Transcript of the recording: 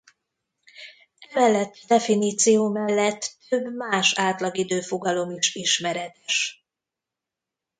Emellett a definíció mellett több más átlagidő-fogalom is ismeretes.